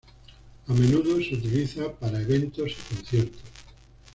A menudo se utiliza para eventos y conciertos.